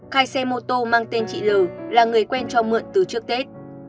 khai xe mô tô mang tên chị l là người quen cho mượn từ trước tết